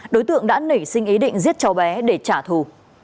đối tượng đã nảy sinh ý định giết cháu bé để trả thù